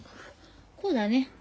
こうだね。